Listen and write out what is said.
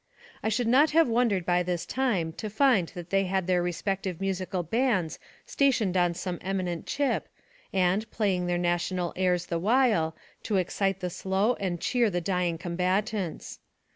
I should not have wondered by this time to find that they had their respective musical bands stationed on some eminent chip, and playing their national airs the while, to excite the slow and cheer the dying combatants.